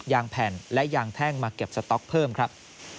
ยางแผ่นและยางแท่งมาเก็บสต๊อกเพิ่มครับ